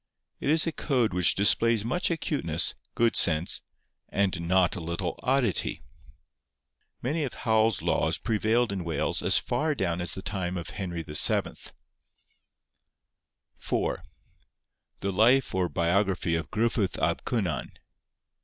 It is a code which displays much acuteness, good sense, and not a little oddity. Many of Howel's laws prevailed in Wales as far down as the time of Henry VII. 4. 'The Life or Biography of Gruffydd ap Cynan.